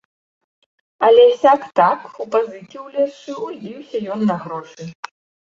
Але сяк-так, у пазыкі ўлезшы, узбіўся ён на грошы.